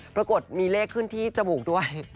ปรากฏมีเลขขึ้นที่จมูกด้วย